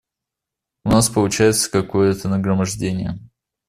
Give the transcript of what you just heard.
У нас получается какое-то нагромождение.